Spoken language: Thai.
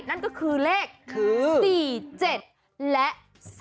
นั่นก็คือเลข๔๗และ๓๔